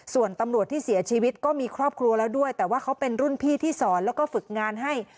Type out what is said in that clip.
ส่วนตำรวจที่เสียชีวิตก็มีครอบครัวแล้วด้วยแต่ว่าเขาเป็นรุ่นพี่ที่สอนแล้วก็ฝึกงานให้